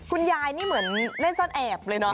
คุณยายนี่เหมือนเล่นซ่อนแอบเลยเนาะ